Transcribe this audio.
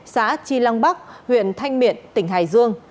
xã tri lăng bắc huyện thanh miện tỉnh hải dương